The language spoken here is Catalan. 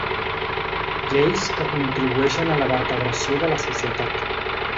Lleis que contribueixen a la vertebració de la societat.